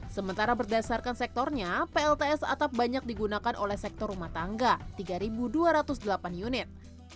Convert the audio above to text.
sementara berdasarkan sektornya plts atap banyak digunakan oleh sektor rumah tangga tiga dua ratus delapan unit